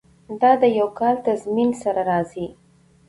دا د یو کال تضمین سره راځي.